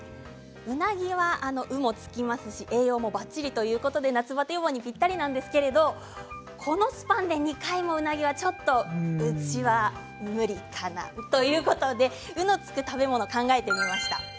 うなぎは「う」もつきますし栄養もばっちりということで夏バテ予防にぴったりなんですがこのスパンで２回も、うなぎはちょっとうちは無理かなということで「う」のつく食べ物を考えてみました。